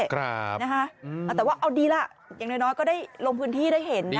แต่ว่าเอาดีล่ะอย่างน้อยก็ได้ลงพื้นที่ได้เห็น